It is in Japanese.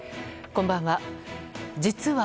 こんばんは。